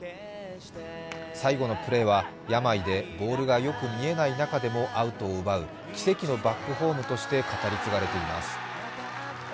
最後のプレーは病でボールがよく見えない中でもアウトを奪う奇跡のバックホームとして語り継がれています。